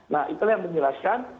nah itulah yang menjelaskan